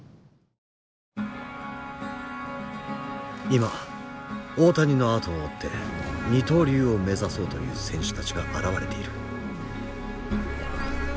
今大谷のあとを追って二刀流を目指そうという選手たちが現れている。